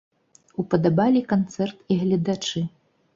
Упадабалі канцэрт і гледачы.